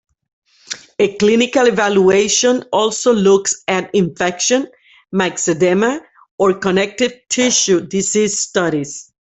A clinical evaluation also looks at infection, myxedema, or connective tissue disease studies.